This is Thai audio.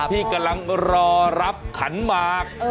ที่กำลังรอรับขันหมาก